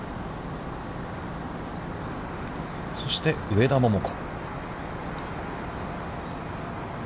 そして、上田桃子。